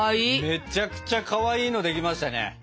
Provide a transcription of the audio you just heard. めちゃくちゃかわいいのできましたね！